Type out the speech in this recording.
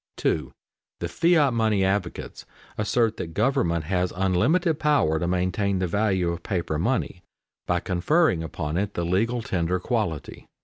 [Sidenote: Fiat money theory] 2. _The fiat money advocates assert that government has unlimited power to maintain the value of paper money by conferring upon it the legal tender quality.